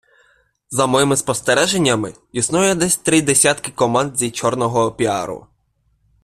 За моїми спостереженнями, існує десь три десятки команд зі чорного піару.